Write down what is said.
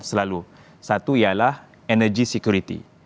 satu yalah energy security